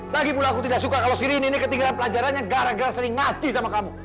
lagi pula aku tidak suka kalau rini ini ketinggalan pelajaran yang gara gara sering ngaji sama kamu